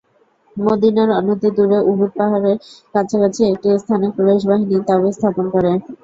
মদীনার অনতি দূরে উহুদ পাহাড়ের কাছাকাছি একটি স্থানে কুরাইশ বাহিনী তাঁবু স্থাপন করে।